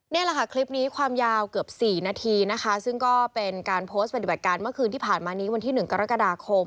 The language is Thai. นี่แหละค่ะคลิปนี้ความยาวเกือบ๔นาทีนะคะซึ่งก็เป็นการโพสต์ปฏิบัติการเมื่อคืนที่ผ่านมานี้วันที่๑กรกฎาคม